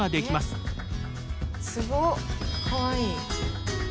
すごい！